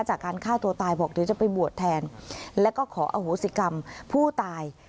จากการฆ่าตัวตายบอกเดี๋ยวจะไปบวชแทนแล้วก็ขออโหสิกรรมผู้ตาย